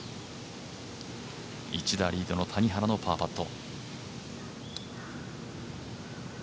１打リードの谷原のパーパット。